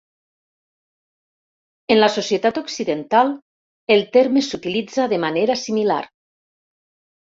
En la societat occidental, el terme s'utilitza de manera similar.